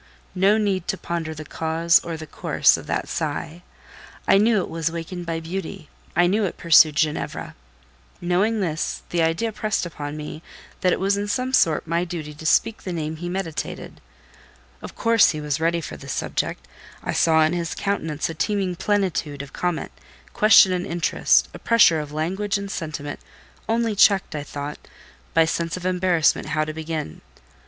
No need to ponder the cause or the course of that sigh; I knew it was wakened by beauty; I knew it pursued Ginevra. Knowing this, the idea pressed upon me that it was in some sort my duty to speak the name he meditated. Of course he was ready for the subject: I saw in his countenance a teeming plenitude of comment, question and interest; a pressure of language and sentiment, only checked, I thought, by sense of embarrassment how to begin.